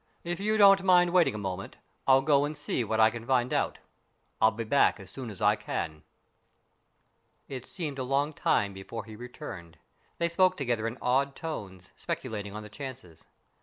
If you don't mind waiting a moment, I'll go and see what I can find out. I'll be back as soon as I can." It seemed a long time before he returned. They spoke together in awed tones, speculating on the chances.